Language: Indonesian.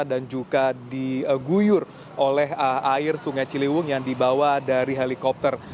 dan juga diguyur oleh air sungai ciliwung yang dibawa dari helikopter